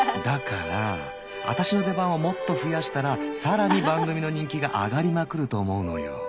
だからアタシの出番をもっと増やしたら更に番組の人気が上がりまくると思うのよ。